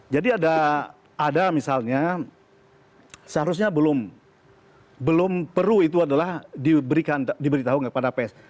jadi ada misalnya seharusnya belum perlu itu adalah diberi tahu kepada pes